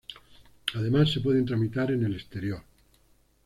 Además, se pueden tramitar en el exterior.